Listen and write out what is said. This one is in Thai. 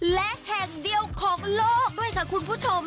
และแห่งเดียวของโลกด้วยค่ะคุณผู้ชม